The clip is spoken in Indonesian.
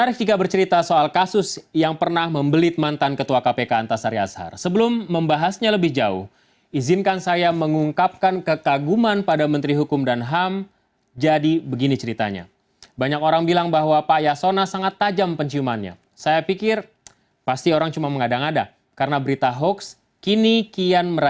kisah kisah yang menarik di dalam video ini